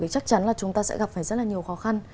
chúng ta sẽ gặp phải rất là nhiều khó khăn